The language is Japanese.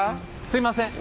すいません。